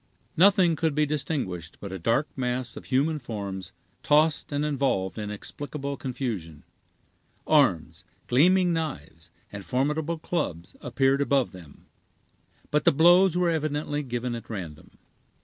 Nothing could be distinguished but a dark mass of human forms tossed and involved in inexplicable confusion. Arms, gleaming knives, and formidable clubs, appeared above them, but the blows were evidently given at random.